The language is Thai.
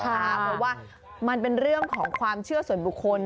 เพราะว่ามันเป็นเรื่องของความเชื่อส่วนบุคคล